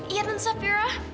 iya tuan safira